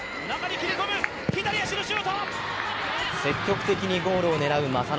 積極的にゴールを狙う正野。